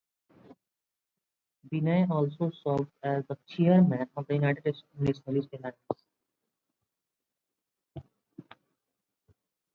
Binay also serves as chairman of the United Nationalist Alliance.